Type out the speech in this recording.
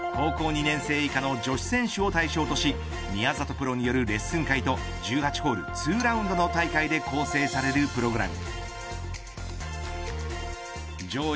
高校２年生以下の女子選手を対象とし宮里プロによるレッスン会と１８ホール２ラウンドの大会で構成されるプログラム。